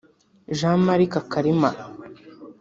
Jean Malic Kalima